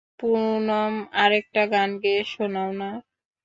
পুনম, আরেকটা গান গেয়ে শোনাও না!